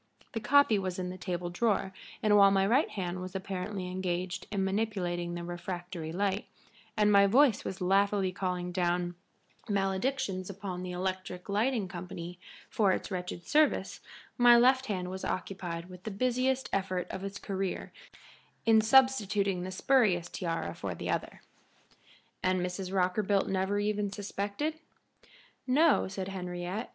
The copy was in the table drawer, and while my right hand was apparently engaged in manipulating the refractory light, and my voice was laughingly calling down maledictions upon the electric lighting company for its wretched service, my left hand was occupied with the busiest effort of its career in substituting the spurious tiara for the other." "And Mrs. Rockerbilt never even suspected?" "No," said Henriette.